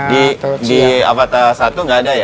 di avata satu nggak ada ya